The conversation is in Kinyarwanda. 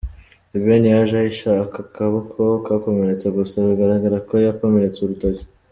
The Ben yaje ahisha aka kaboko kakomeretseGusa biragaragara ko yakomeretse urutoki.